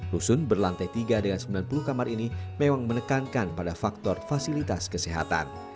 rusun berlantai tiga dengan sembilan puluh kamar ini memang menekankan pada faktor fasilitas kesehatan